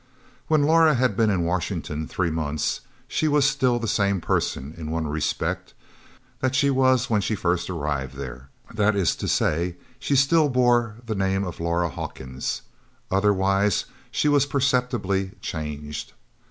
When Laura had been in Washington three months, she was still the same person, in one respect, that she was when she first arrived there that is to say, she still bore the name of Laura Hawkins. Otherwise she was perceptibly changed.